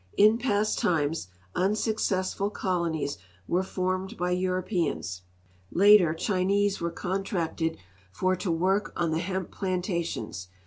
In past times unsuccessful colonies were formed by Europeans; later, Chinese were contracted for to work on the hemj) plantations.